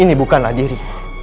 ini bukanlah diri